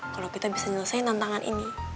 kalau kita bisa menyelesaikan tantangan ini